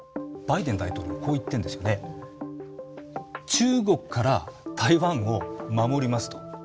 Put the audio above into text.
中国から台湾を守りますと。